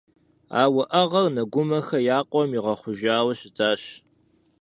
А уӀэгъэр Нэгумэхэ я къуэм игъэхъужауэ щытащ.